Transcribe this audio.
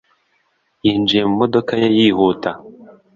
Yinjiye mu modoka ye yihuta